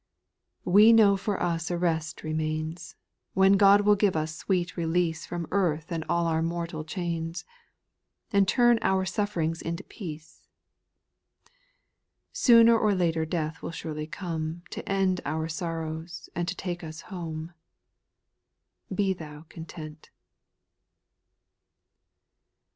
' 11. We know for us a rest remains. When God will give us sweet release From earth and all our mortal chains, And turn our sufferings into peace. Sooner or later death will surely come To end our sorrows and to take us home. Be thou content.